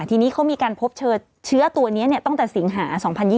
ทีนี้เขามีการพบเชื้อตัวนี้ตั้งแต่สิงหา๒๐๒๐